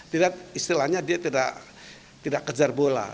tidak istilahnya dia tidak kejar bola